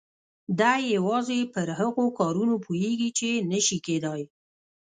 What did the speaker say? دی يوازې پر هغو کارونو پوهېږي چې نه شي کېدای.